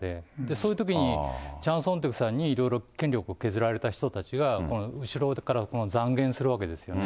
そういうときにチャン・ソンテクさんにいろいろ権力を削られた人たちが、後ろからざんげんするわけですよね。